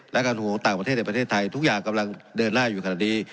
และการห่วงต่างประเทศในประเทศไทยทุกอย่างกำลังเดินหน้าอยู่ขนาดนี้